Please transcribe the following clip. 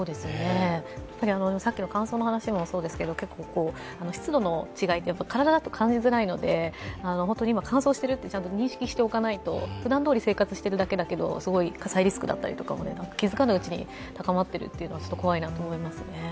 乾燥の話もそうですけど、湿度の違いって体だと感じづらいので乾燥してるってちゃんと認識しておかないとふだんどおり生活しているだけだとすごい火災リスクだったりとかも、気づかぬうちに高まっているというのは、ちょっと怖いなと思いますね。